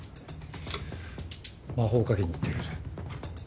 魔法をかけに行ってくる。